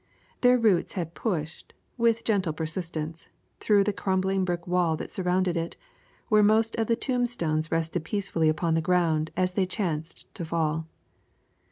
Their roots had pushed, with gentle persistence, through the crumbling brick wall that surrounded it, where most of the tombstones rested peacefully upon the ground as they chanced to fall.